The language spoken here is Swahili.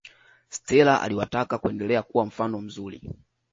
stela aliwataka kuendelea kuwa mfano mzuri